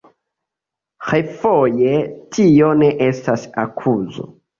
Refoje, tio ne estas akuzo.